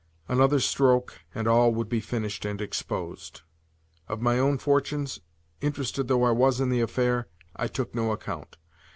Another stroke, and all would be finished and exposed. Of my own fortunes, interested though I was in the affair, I took no account.